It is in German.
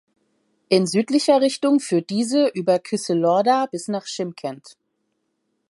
In südlicher Richtung führt diese über Qysylorda bis nach Schymkent.